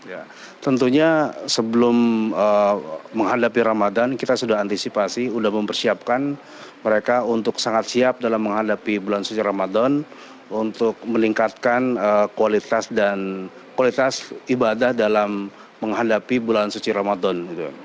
ya tentunya sebelum menghadapi ramadan kita sudah antisipasi sudah mempersiapkan mereka untuk sangat siap dalam menghadapi bulan suci ramadan untuk meningkatkan kualitas dan kualitas ibadah dalam menghadapi bulan suci ramadan